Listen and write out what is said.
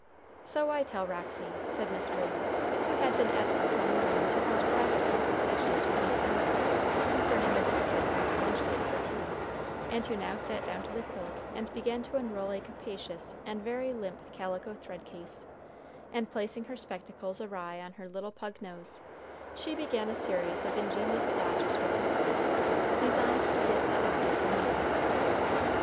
"So I tell Roxy," said Miss Ruey, who had been absent from the room to hold private consultations with Miss Emily concerning the biscuits and sponge cake for tea, and who now sat down to the quilt and began to unroll a capacious and very limp calico thread case; and placing her spectacles awry on her little pug nose, she began a series of ingenious dodges with her thread, designed to hit the eye of her needle.